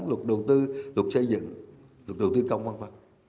lục đầu tư lục xây dựng lục đầu tư công quan pháp